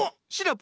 プ。